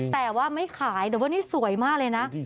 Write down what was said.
แต่ว่าไม่ขายแต่ว่านี่สวยมากเลยนะ